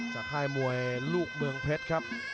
ค่ายมวยลูกเมืองเพชรครับ